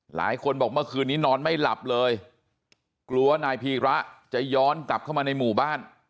หลายคนบอกเมื่อคืนนี้นอนไม่หลับเลยกลัวว่านายพีระจะย้อนกลับเข้ามาในหมู่บ้าน